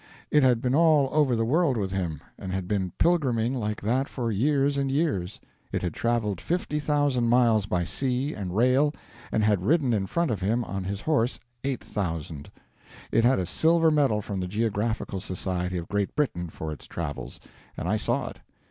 It had been all over the world with him, and had been pilgriming like that for years and years. It had traveled 50,000 miles by sea and rail, and had ridden in front of him on his horse 8,000. It had a silver medal from the Geographical Society of Great Britain for its travels, and I saw it.